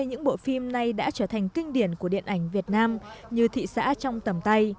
những bộ phim này đã trở thành kinh điển của điện ảnh việt nam như thị xã trong tầm tay